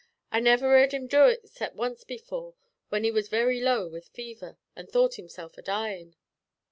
I never 'ear'd him do it except once before, when he was very low with fever, an' thought himself a dyin'."